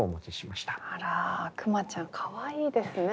あら「くまちゃん」かわいいですね。